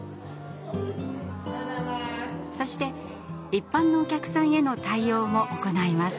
そして一般のお客さんへの対応も行います。